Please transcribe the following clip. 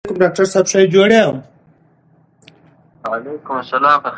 په لارو کې ونې کېنئ ترڅو خلک سیوري ته کښېني.